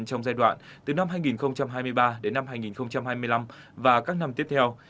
trong giai đoạn từ năm hai nghìn hai mươi ba đến năm hai nghìn hai mươi năm và các năm tiếp theo